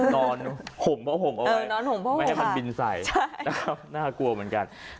ห่มผ้าห่มเอาไว้ไม่ให้มันบินใส่น่ากลัวเหมือนกัน